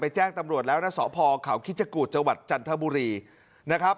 แจ้งตำรวจแล้วนะสพเขาคิชกุฎจังหวัดจันทบุรีนะครับ